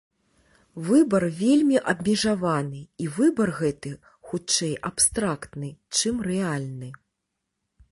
Выбар вельмі абмежаваны, і выбар гэты, хутчэй, абстрактны, чым рэальны.